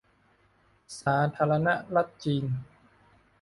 สาธารณรัฐจีน